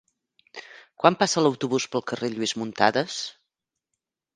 Quan passa l'autobús pel carrer Lluís Muntadas?